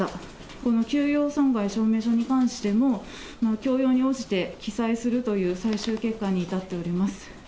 この休業損害証明書に関しても、強要に応じて記載するという最終結果に至っております。